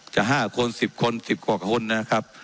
๕คน๑๐คน๑๐กว่าคนนะครับ